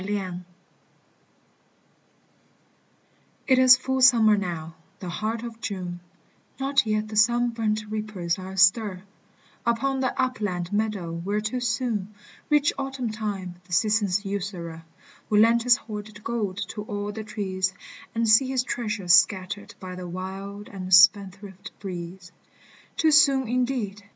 THE GARDEN OF EROS t THE GARDEN OF EROS T is full summer now, the heart of June, Not yet the sunburnt reapers are a stir $on the upland meadow where too soon Rich autumn time, the season's usurer, ^^ill lend his hoarded gold to all the trees, ^Jid see his treasure scattered by the wild and spend thrift breeze. *lV>o soon indeed